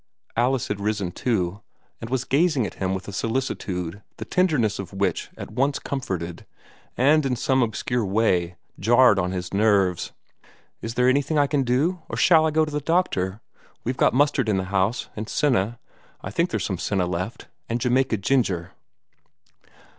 Alice had risen too, and was gazing at him with a solicitude the tenderness of which at once comforted, and in some obscure way jarred on his nerves. "Is there anything I can do or shall I go for a doctor? We've got mustard in the house, and senna I think there's some senna left and Jamaica ginger."